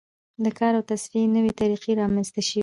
د کار او تصفیې نوې طریقې رامنځته شوې.